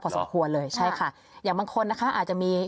สมควรเลยใช่ค่ะอย่างบางคนนะคะอาจจะมี